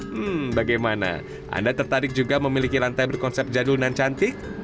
hmm bagaimana anda tertarik juga memiliki lantai berkonsep jadul nan cantik